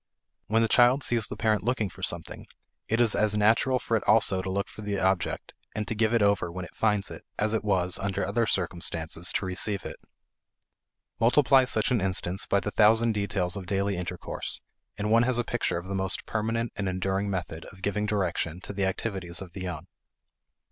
When the child sees the parent looking for something, it is as natural for it also to look for the object and to give it over when it finds it, as it was, under other circumstances, to receive it. Multiply such an instance by the thousand details of daily intercourse, and one has a picture of the most permanent and enduring method of giving direction to the activities of the young.